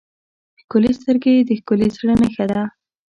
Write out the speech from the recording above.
ښکلي سترګې د ښکلي زړه نښه ده.